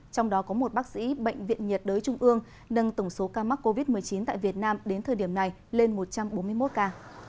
trong đó có một bác sĩ bệnh viện nhiệt đới trung ương nâng tổng số ca mắc covid một mươi chín tại việt nam đến thời điểm này lên một trăm bốn mươi một ca